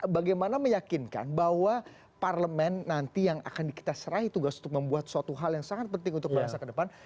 bagaimana meyakinkan bahwa parlemen nanti yang akan kita serahi tugas untuk membuat suatu hal yang sangat penting untuk bangsa ke depan